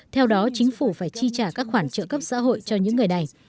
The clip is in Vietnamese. theo đó chính phủ phải chi trả các khoản trợ cấp xã hội cho những người này